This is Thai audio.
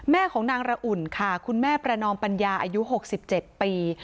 แม่ของนางระอุ่นค่ะคุณแม่แปรนอมปัญญาอายุหกสิบเจ็ดปี